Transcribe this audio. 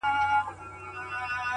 که معنا د عقل دا جهان سوزي وي,